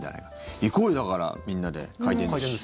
行こうよ、だからみんなで回転寿司。